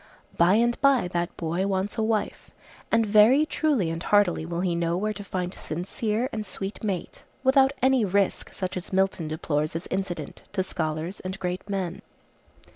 By and by that boy wants a wife, and very truly and heartily will he know where to find a sincere and sweet mate, without any risk such as Milton deplores as incident to scholars and great men.